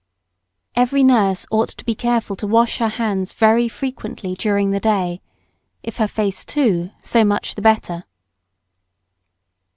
Every nurse ought to be careful to wash her hands very frequently during the day. If her face too, so much the better.